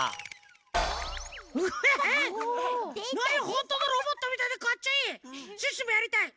ほんとのロボットみたいでかっちょいい！